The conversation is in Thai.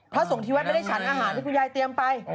ส่งที่วัดไม่ได้ฉันอาหารที่คุณยายเตรียมไป